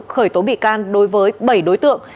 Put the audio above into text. khởi tố bị can đối với bảy đối tượng